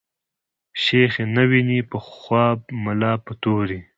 شيخ ئې نه ويني په خواب ملا په توري